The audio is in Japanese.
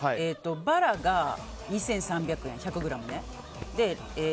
バラが２３００円、１００ｇね。